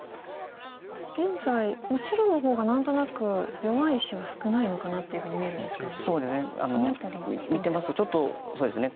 現在白の方が何となく弱い石が少ないのかなっていうふうに見えるんですがその辺りどうですか？